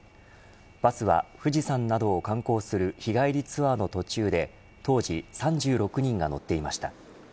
バスは、富士山などを観光する日帰りツアーの途中で当時３６人が乗っていました。